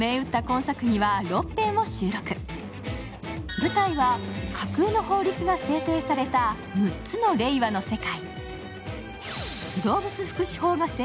舞台は架空の法律が制定された６つのレイワの世界。